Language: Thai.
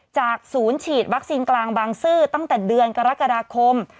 จากศูนย์ฉีดวัคซีนกลางบางซื่อตั้งแต่เดือนกรกฎาคม